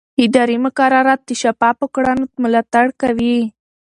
اداري مقررات د شفافو کړنو ملاتړ کوي.